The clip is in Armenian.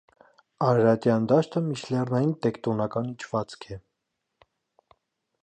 Արարատյան դաշտը միջլեռնային տեկտոնական իջվածք է։